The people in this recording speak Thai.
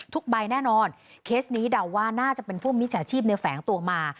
ใบแน่นอนเคสนี้เดาว่าน่าจะเป็นพวกมิจฉาชีพในแฝงตัวมา